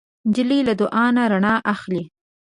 نجلۍ له دعا نه رڼا اخلي.